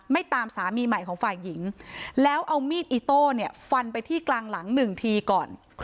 ตามสามีใหม่ของฝ่ายหญิงแล้วเอามีดอิโต้เนี่ยฟันไปที่กลางหลังหนึ่งทีก่อน